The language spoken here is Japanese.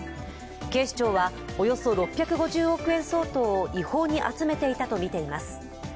警視庁はおよそ６５０億円相当を違法に集めていたとみています。